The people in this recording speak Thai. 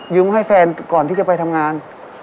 ให้แฟนก่อนที่จะไปทำงาน